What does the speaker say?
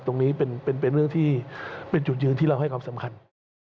ตรงนี้เป็นเรื่องที่เป็นจุดยืนที่เราให้ความสำคัญ